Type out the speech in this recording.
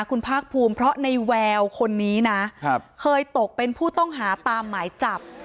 คุณภาคภูมิเพราะในแววคนนี้นะเคยตกเป็นผู้ต้องหาตามหมายจับ